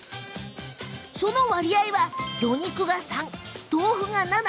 その割合は魚肉が３、豆腐が７。